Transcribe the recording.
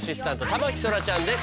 田牧そらちゃんです。